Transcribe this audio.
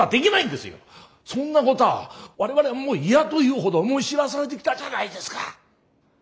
そんなことは我々はもう嫌というほど思い知らされてきたじゃないですか。